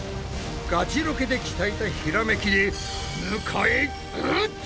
ガチロケで鍛えたひらめきで迎え撃つ！